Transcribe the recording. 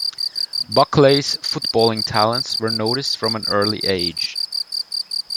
Buckley's footballing talents were noticed from an early age.